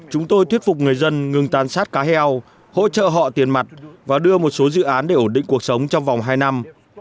chúng tôi thuyết phục người dân ngừng tàn sát cá heo hỗ trợ họ tiền mặt và đưa một số dự án để ổn định cuộc sống trong vòng hai năm